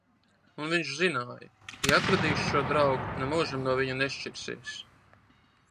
Un viņš zināja: ja atradīs šo draugu, nemūžam no viņa nešķirsies.